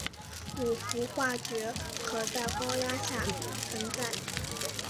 五氟化铯可在高压下存在。